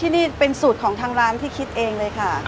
ที่นี่เป็นสูตรของทางร้านที่คิดเองเลยค่ะ